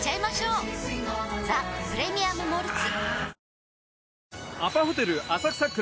「ザ・プレミアム・モルツ」